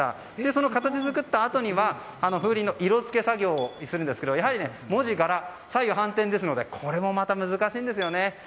その形作ったあとには風鈴の色付け作業をするんですがやはり文字、柄が左右反転ですのでこれもまた難しいんです。